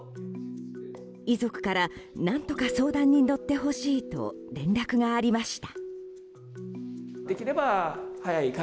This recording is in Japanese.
遺族から何とか相談に乗ってほしいと連絡がありました。